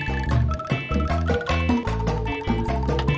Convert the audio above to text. ya tips tips teman